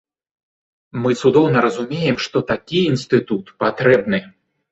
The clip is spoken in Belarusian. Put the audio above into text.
Мы цудоўна разумеем, што такі інстытут патрэбны.